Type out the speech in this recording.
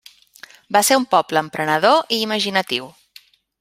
Va ser un poble emprenedor i imaginatiu.